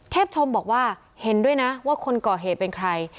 ชมบอกว่าเห็นด้วยนะว่าคนก่อเหตุเป็นใคร